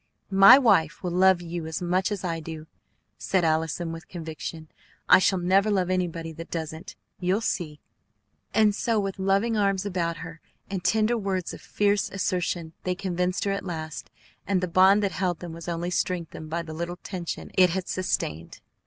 "My wife will love you as much as I do!" said Allison with conviction. "I shall never love anybody that doesn't. You'll see!" And so with loving arms about her and tender words of fierce assertion they convinced her at last, and the bond that held them was only strengthened by the little tension it had sustained.